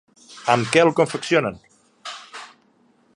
Amb què el confeccionen?